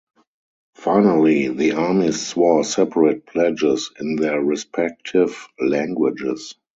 Finally, the armies swore separate pledges in their respective languages.